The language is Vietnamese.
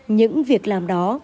những việc làm đó